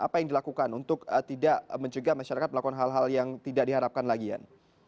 apa yang dilakukan untuk tidak mencegah masyarakat melakukan hal hal yang tidak diharapkan lagian